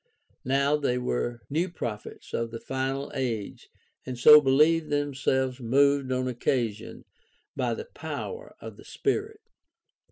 Now they were new prophets of the final age and so believed themselves moved on occasion by the power of the Spirit.